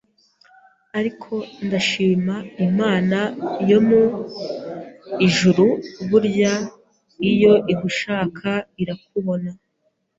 ariko ndashima Imana yo mu ijuru burya iyo igushaka irakubona